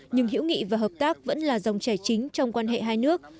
nhưng hữu nghị và hợp tác vẫn là dòng trẻ chính trong quan hệ hai nước